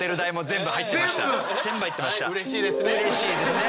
全部入ってました。